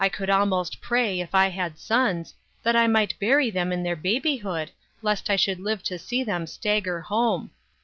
I could almost pray, if I had sons, that I might bury them in their babyhood, lest I should live to see them stagger home.